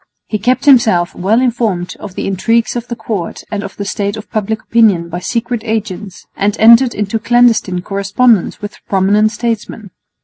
He kept himself well informed of the intrigues of the court and of the state of public opinion by secret agents, and entered into clandestine correspondence with prominent statesmen.